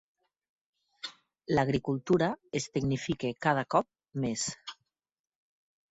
L'agricultura es tecnifica cada cop més.